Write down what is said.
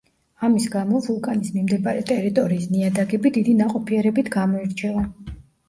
ამის გამო, ვულკანის მიმდებარე ტერიტორიის ნიადაგები დიდი ნაყოფიერებით გამოირჩევა.